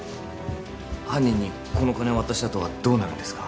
犯人にこの金を渡したあとはどうなるんですか？